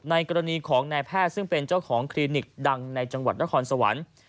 กรณีของนายแพทย์ซึ่งเป็นเจ้าของคลินิกดังในจังหวัดนครสวรรค์